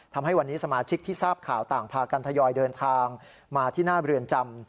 ทำให้วันนี้สมาชิกที่ทราบข่าวต่างพากันทยอยเดินทางมาที่หน้าเรือนจำ